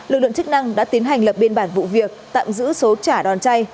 lực lượng chức năng đã tiến hành lập biên bản vụ việc tạm giữ số trả đòn chay